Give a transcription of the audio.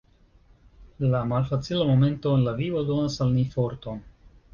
La malfacila momento en la vivo donas al ni forton.